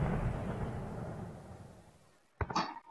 কিন্তু তার পরও গুয়াংজুর বক্সে ঠিক ওভাবে আক্রমণ করতে পারছিল না।